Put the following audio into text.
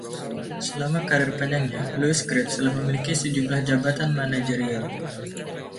Selama karier panjangnya, Louis Grech telah memiliki sejumlah jabatan manajerial.